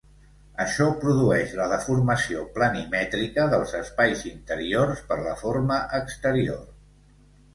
Això produeix la deformació planimètrica dels espais interiors per la forma exterior.